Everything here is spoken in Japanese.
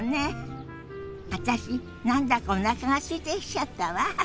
私何だかおなかがすいてきちゃったわ。